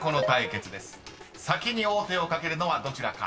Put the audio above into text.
［先に王手をかけるのはどちらか？